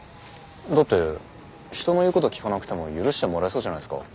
だって人の言う事聞かなくても許してもらえそうじゃないですか。